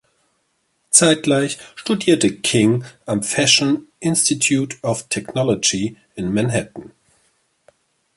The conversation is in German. Zeitgleich studierte King am "Fashion Institute of Technology" in Manhattan.